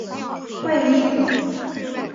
不会透漏他们的位置